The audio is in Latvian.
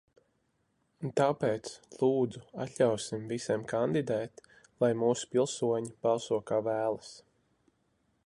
Un tāpēc, lūdzu, atļausim visiem kandidēt, lai mūsu pilsoņi balso, kā vēlas.